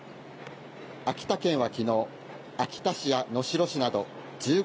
秋田県は昨日、秋田市や能代市など１５